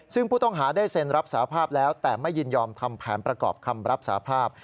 ซึ่งผู้ต้องหาได้เซ็นรับสาภาพแล้วแต่ไม่ยินยอมทำแผนประกอบคำรับสาภาพ